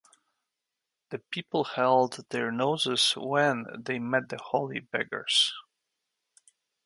The people held their noses when they met the holy beggars.